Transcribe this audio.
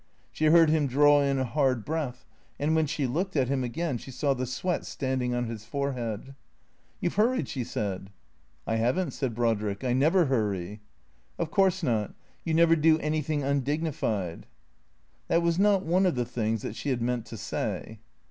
She heard him draw in a hard breath, and when she looked at him again she saw the sweat standing on his forehead. "You've hurried," she said. " I have n't," said Brodrick. " I never hurry." " Of course not. You never do anything undignified." That was not one of the things that she had meant to say.